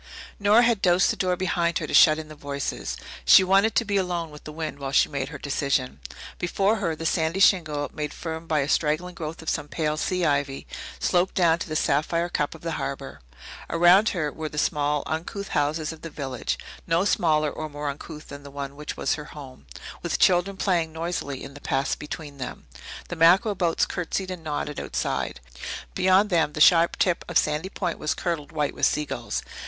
Nora had dosed the door behind her to shut in the voices. She wanted to be alone with the wind while she made her decision. Before her the sandy shingle, made firm by a straggling growth of some pale sea ivy, sloped down to the sapphire cup of the harbour. Around her were the small, uncouth houses of the village no smaller or more uncouth than the one which was her home with children playing noisily on the paths between them. The mackerel boats curtsied and nodded outside; beyond them the sharp tip of Sandy Point was curdled white with seagulls.